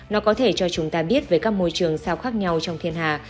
nó có thể cho chúng ta biết về các môi trường sao khác nhau trong thiên hà